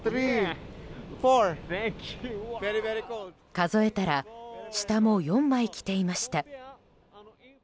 数えたら下も４枚着ていました。